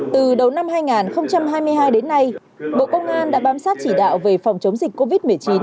từ đầu năm hai nghìn hai mươi hai đến nay bộ công an đã bám sát chỉ đạo về phòng chống dịch covid một mươi chín